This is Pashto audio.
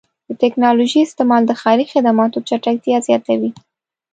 د ټکنالوژۍ استعمال د ښاري خدماتو چټکتیا زیاتوي.